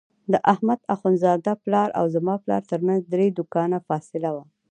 د احمد اخوندزاده پلار او زما پلار ترمنځ درې دوکانه فاصله وه.